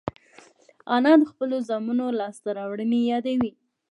انا د خپلو زامنو لاسته راوړنې یادوي